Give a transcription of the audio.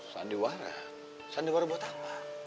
sandiwara sandiwara buat apa